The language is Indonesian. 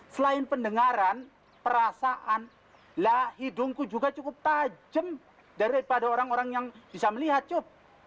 selain pendengaran perasaan lah hidungku juga cukup tajam daripada orang orang yang bisa melihat cup